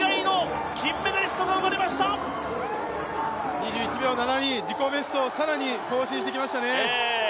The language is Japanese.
２１秒７２、自己ベストを更に更新してきましたね。